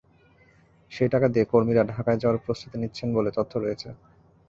সেই টাকা দিয়ে কর্মীরা ঢাকায় যাওয়ার প্রস্তুতি নিচ্ছেন বলে তথ্য রয়েছে।